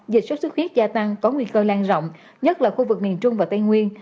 dịch sốt xuất huyết gia tăng có nguy cơ lan rộng nhất là khu vực miền trung và tây nguyên